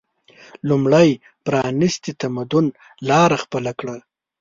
لومړی پرانیستي تمدني لاره خپله کړه